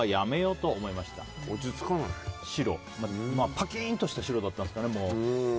パキンとした白だったんですかね。